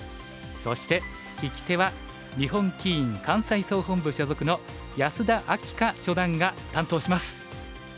そして聞き手は日本棋院関西総本部所属の安田明夏初段が担当します。